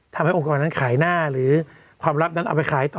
องค์กรนั้นขายหน้าหรือความลับนั้นเอาไปขายต่อ